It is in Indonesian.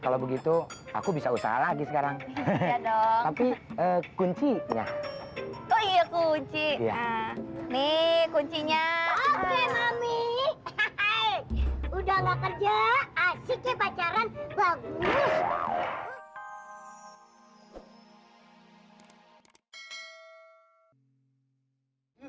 kalau begitu aku bisa usaha lagi sekarang tapi kuncinya kuncinya kuncinya udah nggak kerja